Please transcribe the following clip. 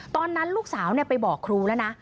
ตอนนั้นลูกสาวไปบอกครูแล้วนะ